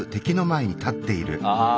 ああ。